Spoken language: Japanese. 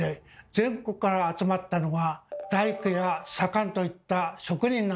全国から集まったのが大工や左官といった職人なんです。